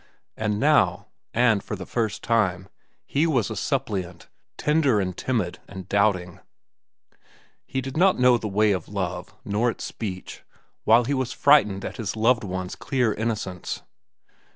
And now, and for the first time, he was a suppliant, tender and timid and doubting. He did not know the way of love, nor its speech, while he was frightened at his loved one's clear innocence.